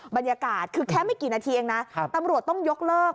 บรรยากาศคือแค่ไม่กี่นาทีเองนะตำรวจต้องยกเลิก